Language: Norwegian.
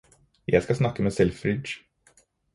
Jeg skal snakke med Selfridge